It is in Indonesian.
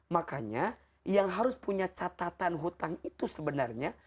makanya yang harus punya catatan hutang itu sebenarnya